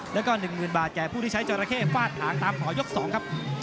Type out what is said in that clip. และก็๑๐๐๐๐บาทแจ่ผู้ที่ใช้จอยระเทศฟาดหาวงตามข่อยก๒